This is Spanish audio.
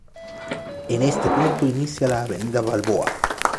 En este punto inicia la Avenida Balboa.